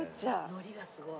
のりがすごい。